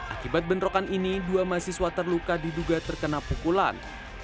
akibat bentrokan ini dua mahasiswa terluka diduga terkena pukulan